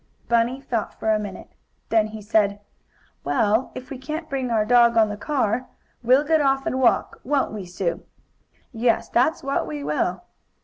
Bunny thought for a minute. Then he said: "Well, if we can't bring our dog on the car, We'll get off and walk; won't we, Sue?" "Yes, that's what we will."